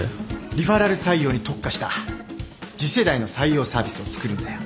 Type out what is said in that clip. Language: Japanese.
リファラル採用に特化した次世代の採用サービスをつくるんだよ